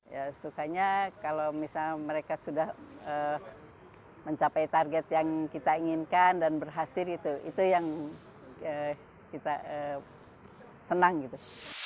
ya sukanya kalau misalnya mereka sudah mencapai target yang kita inginkan dan berhasil itu itu yang kita senang gitu